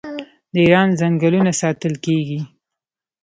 د ایران ځنګلونه ساتل کیږي.